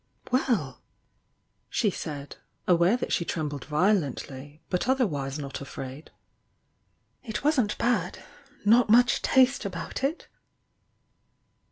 "Well!" she said, aware that she trembled violent ly, but otherwise rot afraid: "It wasn't bad! Not much taste about it!